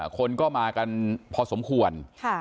คนก็มากันพอสมควร